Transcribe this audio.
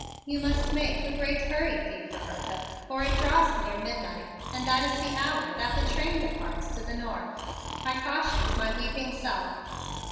"You must make a great hurry, thief Roberta, for it draws near midnight and that is the hour that the train departs to the North," I cautioned my weeping self.